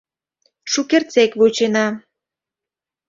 Шукертсек вучена!